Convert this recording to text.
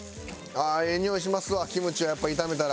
ああええにおいしますわキムチをやっぱり炒めたら。